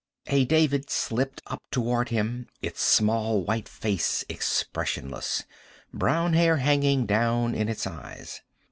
A David slipped up toward him, its small white face expressionless, brown hair hanging down in its eyes.